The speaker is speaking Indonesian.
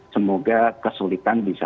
semoga kesulitan bisa